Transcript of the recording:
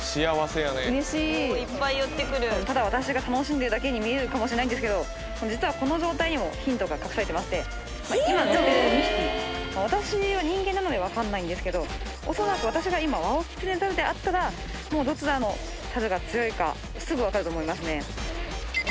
ただ私が楽しんでるだけに見えるかもしれないんですけど実はこの状態にもヒントが隠されてまして今乗ってる２匹私は人間なので分かんないんですけど恐らく私がワオキツネザルであったらもうどちらのサルが強いかすぐ分かると思いますね。